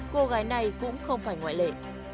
cô gái này cũng không phải ngoại lệ